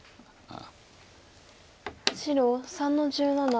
白３の十七。